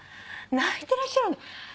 泣いてらっしゃるの。